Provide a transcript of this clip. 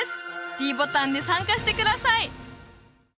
ｄボタンで参加してください！